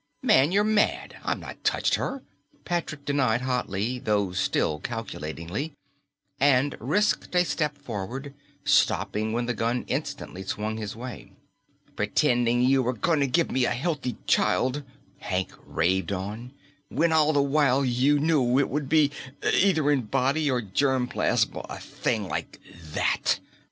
"Man, you're mad; I've not touched her!" Patrick denied hotly though still calculatingly, and risked a step forward, stopping when the gun instantly swung his way. "Pretending you were going to give me a healthy child," Hank raved on, "when all the while you knew it would be either in body or germ plasm a thing like that!"